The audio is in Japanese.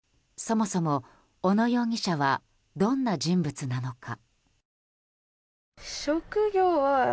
そもそも小野容疑者はどんな人物なのか。